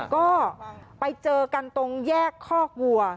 ก็ไปเจอกันตรงแยกคอกวัว